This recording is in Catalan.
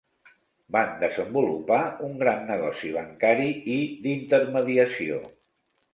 Van desenvolupar un gran negoci bancari i d'intermediació.